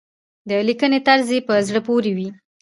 د لیکنې طرز يې په زړه پورې وي.